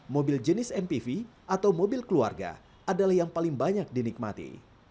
mobil jenis mpv atau mobil keluarga adalah yang paling banyak dinikmati